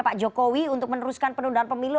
pak jokowi untuk meneruskan penundaan pemilu